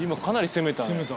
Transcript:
攻めた。